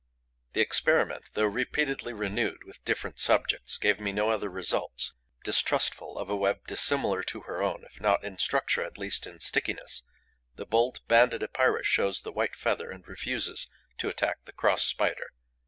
The experiment, though repeatedly renewed with different subjects, gave me no other results. Distrustful of a web dissimilar to her own, if not in structure, at least in stickiness, the bold Banded Epeira shows the white feather and refuses to attack the Cross Spider.